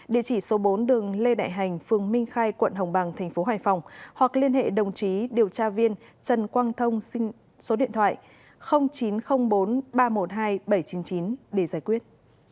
địa chỉ số bốn đường lê đại hành phường minh khai quận hồng bằng tp hải phòng hoặc liên hệ đồng chí điều tra viên trần quang thông xin số điện thoại chín trăm linh bốn ba trăm một mươi hai bảy trăm chín mươi chín để giải quyết